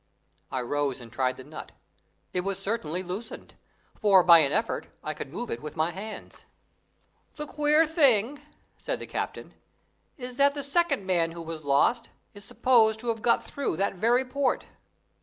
I rose and tried the nut. It was certainly loosened, for by an effort I could move it with my hands. "The queer thing," said the captain, "is that the second man who was lost is supposed to have got through that very port.